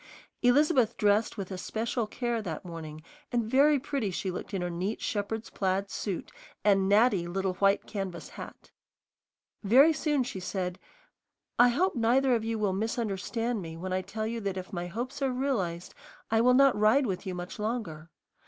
Elizabeth dressed with especial care that morning, and very pretty she looked in her neat shepherd's plaid suit and natty little white canvas hat. Very soon she said, "I hope neither of you will misunderstand me when I tell you that if my hopes are realized I will not ride with you much longer.